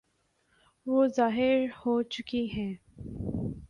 وہ ظاہر ہو چکی ہیں۔